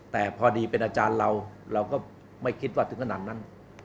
แต่พอดีเป็นอาจารย์เราเราก็ไม่คิดว่าถึงขนาดนั้น